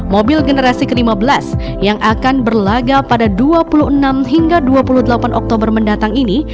mobil generasi ke lima belas yang akan berlaga pada dua puluh enam hingga dua puluh delapan oktober mendatang ini